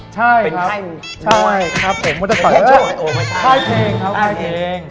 ใช่ครับเป็นค่ายน้อยค่ายเพลงครับค่ายเพลง